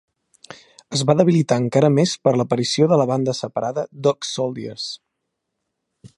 Es va debilitar encara més per l'aparició de la banda separada Dog Soldiers.